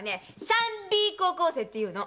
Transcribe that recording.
３Ｂ高校生っていうの！